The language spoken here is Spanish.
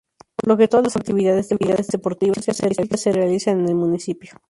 Por lo que todas las actividades deportivas y turísticas se realizan en el municipio.